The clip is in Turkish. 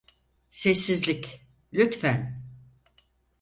Sessizlik, lütfen!